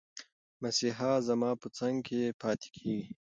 مسیحا زما په څنګ کې پاتې کېږي.